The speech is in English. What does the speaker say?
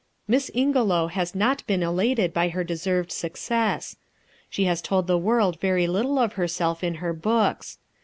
Miss Ingelow has not been elated by her deserved success. She has told the world very little of herself in her books.